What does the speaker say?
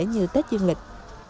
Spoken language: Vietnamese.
như tết duyên lịch